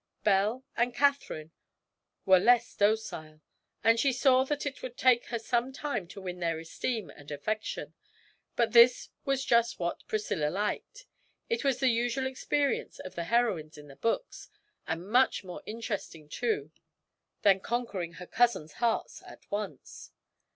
Belle and Catherine were less docile, and she saw that it would take her some time to win their esteem and affection; but this was just what Priscilla liked: it was the usual experience of the heroines in the books, and much more interesting, too, than conquering her cousins' hearts at once.